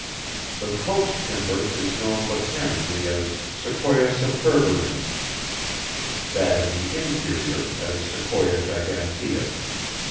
The coast timber is known botanically as sequoia sempervirens, that in the interior as sequoia gigantea.